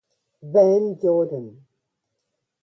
Van Jordan.